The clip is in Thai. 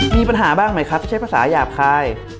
มีปัญหาบ้างไหมคะถ้าใช้ภาษาหยาบใคร